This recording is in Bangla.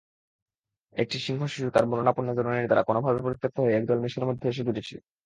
একটি সিংহশিশু তার মরণাপন্ন জননীর দ্বারা কোনভাবে পরিত্যক্ত হয়ে একদল মেষের মধ্যে এসে জুটেছিল।